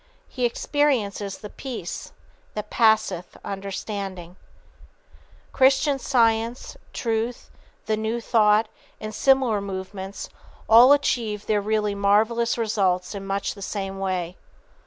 He experiences the "peace that passeth understanding." "Christian Science," "Truth," "The New Thought," and similar movements all achieve their really marvelous results in much the same way.